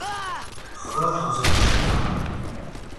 خوراک حاضر است، بفرمایید!